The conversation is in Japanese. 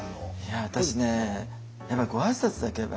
いや私ねやっぱご挨拶だけは。